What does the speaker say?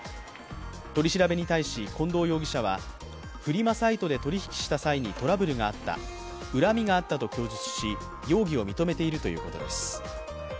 取り調べに対し近藤容疑者はフリマサイトで取り引きした際にトラブルがあった、恨みがあったと供述し容疑を認めているということです。